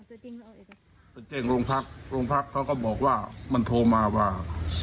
อืมเป็นเจ้งโรงพักษณ์โรงพักษณ์เขาก็บอกว่ามันโทรมาว่า